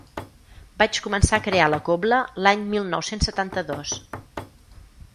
Vaig començar a crear La cobla l’any mil nou-cents setanta-dos.